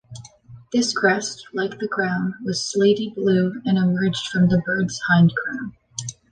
This crest, like the crown, was slaty-blue and emerged from the bird's hindcrown.